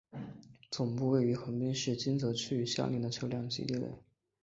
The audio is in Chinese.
总部位于横滨市金泽区与相邻的车辆基地内。